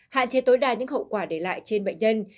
hạn chế tối đa những hậu quả để lại trên bệnh nhân